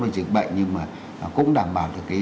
với dịch bệnh nhưng mà cũng đảm bảo